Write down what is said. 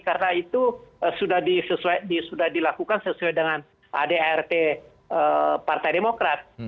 karena itu sudah dilakukan sesuai dengan adrt partai demokrat